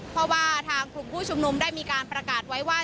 เพราะว่าทางกลุ่มผู้ชุมนุมได้มีการประกาศไว้ว่า